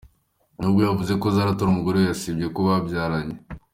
nubwo yavuze ko Zari Atari umugore we usibye ko byabyaranye .